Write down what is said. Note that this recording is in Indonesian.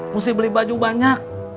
mesti beli baju banyak